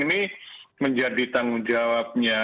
ini menjadi tanggung jawabnya